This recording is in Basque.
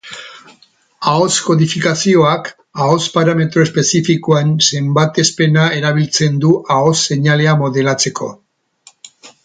Ahots-kodifikazioak ahots-parametro espezifikoen zenbatespena erabiltzen du ahots-seinalea modelatzeko.